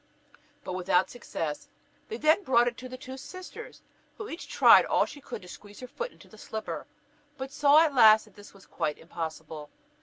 But without success. They then brought it to the two sisters, who each tried all she could to squeeze her foot into the slipper, but saw at last that this was quite impossible.